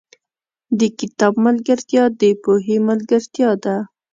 • د کتاب ملګرتیا، د پوهې ملګرتیا ده.